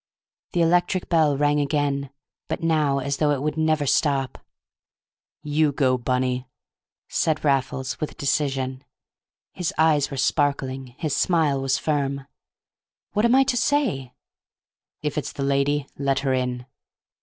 The electric bell rang again, but now as though it never would stop. "You go, Bunny," said Raffles, with decision. His eyes were sparkling. His smile was firm. "What am I to say?" "If it's the lady let her in."